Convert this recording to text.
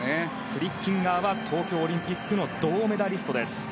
フリッキンガーは東京オリンピックの銅メダリストです。